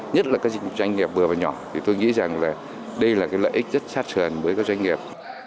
nhất là các doanh nghiệp vừa và nhỏ thì tôi nghĩ rằng là đây là cái lợi ích rất sát sờn với các doanh nghiệp